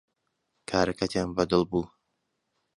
کارەکەتیان بەدڵ بوو